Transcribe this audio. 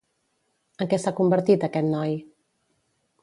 En què s'ha convertit aquest noi?